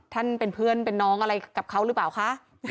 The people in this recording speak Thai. ท่านเป็นเพื่อนเป็นน้องอะไรกับเขาหรือเปล่าคะ